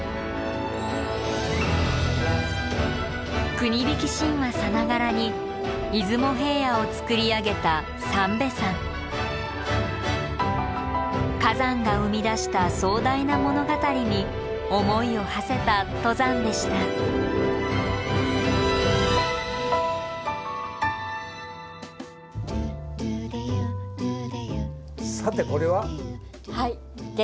国引き神話さながらに出雲平野をつくり上げた三瓶山火山が生み出した壮大な物語に思いをはせた登山でしたうわ